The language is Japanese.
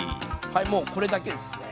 はいもうこれだけですね。